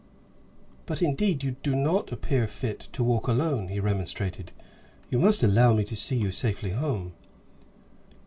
"But indeed you do not appear fit to walk alone," he remonstrated. "You must allow me to see you safely home."